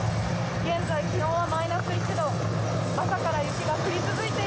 現在気温はマイナス１度。